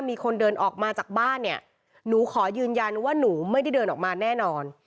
มีคนเดินออกมาจากบ้านเนี่ยหนูขอยืนยันว่าหนูไม่ได้เดินออกมาแน่นอน